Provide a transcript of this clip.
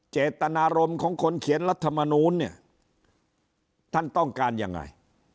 เจตนารมณ์ของคนเขียนรัฐมนูลเนี่ยท่านต้องการยังไง